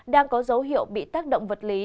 đang có dấu hiệu bị tác động vật lý